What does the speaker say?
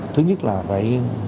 thứ nhất là phải